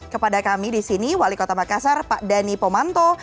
kepada kami di sini wali kota makassar pak dhani pomanto